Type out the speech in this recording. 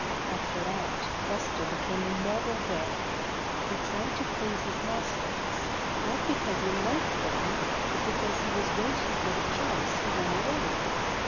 After that Buster became a model bear. He tried to please his masters, not because he liked them, but because he was waiting for the chance to run away.